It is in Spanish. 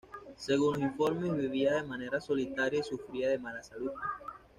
Según los informes, vivía de manera solitaria y sufría de mala salud.